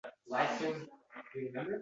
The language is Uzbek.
U maktabdan singli bilan birga qaytdi